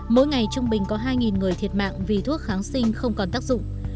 mỗi ngày trung bình có hai người thiệt mạng vì thuốc kháng sinh không còn tác dụng